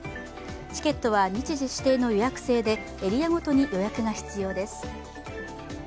チケットは日時指定の予約制でエリアごとに予約が必要です。